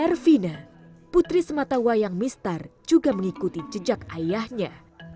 ervina putri semata wayang mistar juga mengikuti jejak ayahnya